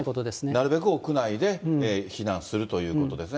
なるべく屋内で避難するということですね。